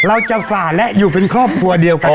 ฝ่าและอยู่เป็นครอบครัวเดียวกัน